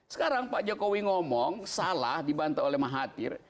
sekarang pak jokowi ngomong salah dibantah oleh mahathir